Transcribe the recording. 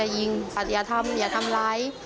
อย่าทำร้าย